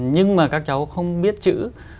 nhưng mà các cháu không biết chữ